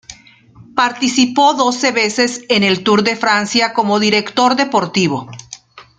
Participó doce veces en el Tour de Francia como director deportivo.